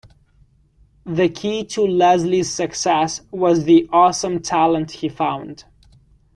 The key to Leslie's success was the awesome talent he found.